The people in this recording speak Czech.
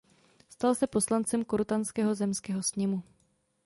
Stal se poslancem Korutanského zemského sněmu.